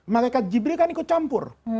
mereka jibril ikut campur